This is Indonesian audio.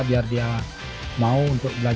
biar dia mau untuk belajar